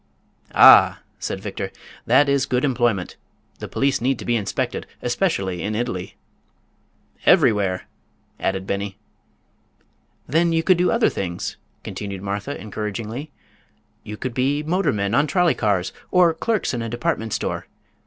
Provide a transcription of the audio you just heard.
"Ah," said Victor, "that is a good employment. The police need to be inspected, especially in Italy." "Everywhere!" added Beni. "Then you could do other things," continued Martha, encouragingly. "You could be motor men on trolley cars, or clerks in a department store.